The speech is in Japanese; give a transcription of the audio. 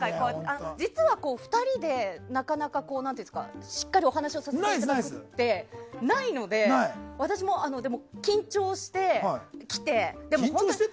実は２人で、なかなかしっかりお話をさせていただいたことってないので、私も緊張して来てて。